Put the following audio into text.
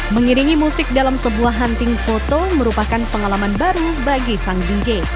mengiringi musik dalam sebuah hunting foto merupakan pengalaman baru bagi sang dj